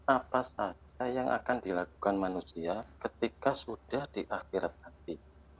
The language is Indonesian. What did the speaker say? apa saja yang akan dilakukan manusia ketika sudah di akhirat nanti